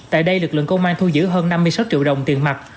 tại đây lực lượng công an thu giữ hơn năm mươi sáu triệu đồng tiền mặt